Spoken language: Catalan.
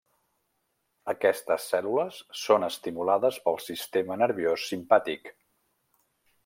Aquestes cèl·lules són estimulades pel sistema nerviós simpàtic.